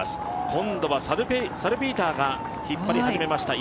今度はサルピーターが引っ張り始めました。